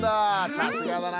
さすがだな。